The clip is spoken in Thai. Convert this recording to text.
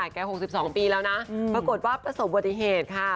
๖๒ปีแล้วนะปรากฏว่าประสบวติเหตุค่ะ